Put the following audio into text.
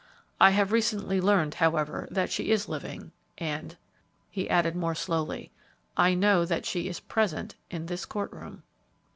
I have recently learned, however, that she is living, and," he added, more slowly, "I know that she is present in this court room."